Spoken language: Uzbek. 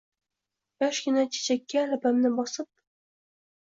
Yoshgina chechakka labimni bosib